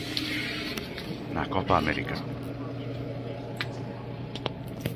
Na Copa América.